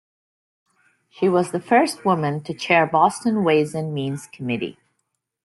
She was the first woman to chair Boston Ways and Means Committee.